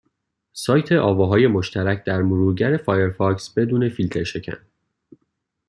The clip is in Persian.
سایت آواهای مشترک در مرورگر فایرفاکس بدون فیلترشکن